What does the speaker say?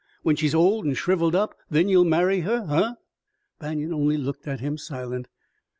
When she's old an' shriveled up, then ye'll marry her, huh?" Banion only looked at him, silent.